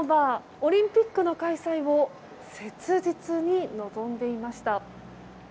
オリンピックの開催を切実に望んでいました。